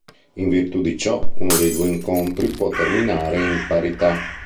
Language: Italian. In virtù di ciò, uno dei due incontri può terminare in parità.